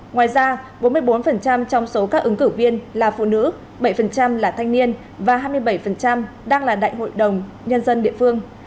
ngoài ra bốn mươi bốn trong số các ứng cử viên là phụ nữ bảy là thanh niên và hai mươi bảy đang là đại hội đồng nhân dân địa phương